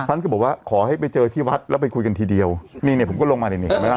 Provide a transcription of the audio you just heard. ท่านก็บอกว่าขอให้ไปเจอที่วัดแล้วไปคุยกันทีเดียวนี่เนี่ยผมก็ลงมานี่นี่เห็นไหมล่ะ